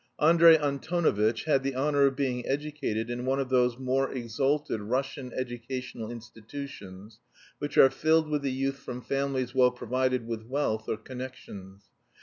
Andrey Antonovitch had the honour of being educated in one of those more exalted Russian educational institutions which are filled with the youth from families well provided with wealth or connections.